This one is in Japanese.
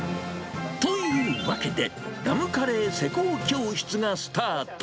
というわけで、ダムカレー施工教室がスタート。